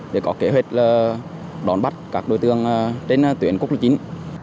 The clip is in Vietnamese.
để có kế hoạch đón bắt các đối tượng trên tuyến quốc lục chính